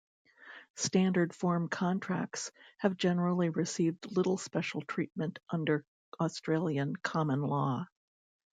Standard form contracts have generally received little special treatment under Australian common law.